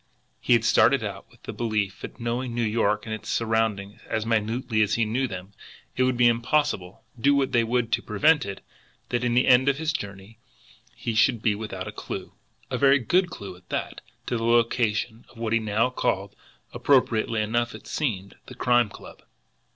He had started out with the belief that, knowing New York and its surroundings as minutely as he knew them, it would be impossible, do what they would to prevent it, that at the end of the journey he should be without a clew, and a very good clew at that, to the location of what he now called, appropriately enough it seemed, the Crime Club.